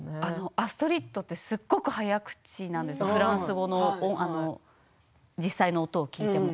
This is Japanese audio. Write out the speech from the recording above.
アストリッドはすごく早口なんですフランス語の実際の音を聞いても。